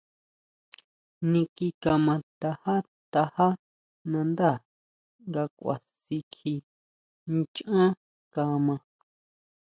Niki kama tajá, tajá nandá nga kʼua si kjí nachan kama.